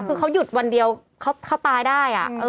คือเขาหยุดวันเดียวเขาตายได้